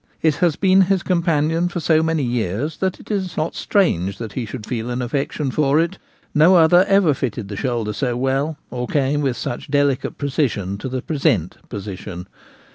It has been his companion for so many years that it is not strange he should feel an affection for it ; no other ever fitted the shoulder so well, or came with such delicate precision to the 'present* position.